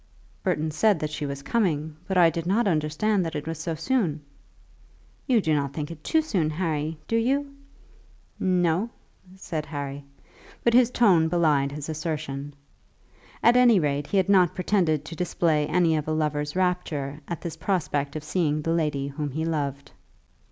"Burton said that she was coming, but I did not understand that it was so soon." "You do not think it too soon, Harry; do you?" "No," said Harry, but his tone belied his assertion. At any rate he had not pretended to display any of a lover's rapture at this prospect of seeing the lady whom he loved.